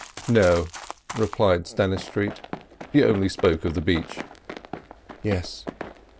"No," replied Stannistreet, "he only spoke of the beach." "Yes.